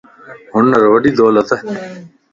ھنر وڏي دولت ائي.